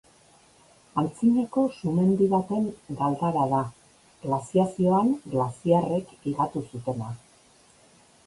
Antzinako sumendi baten galdara da, glaziazioan glaziarrek higatu zutena.